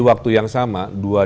waktu yang sama dua ribu tujuh belas